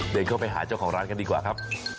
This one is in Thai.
เดินเข้าไปหาเจ้าของร้านกันดีกว่าครับ